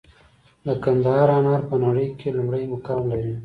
د کندهار انار په نړۍ کې لومړی مقام لري.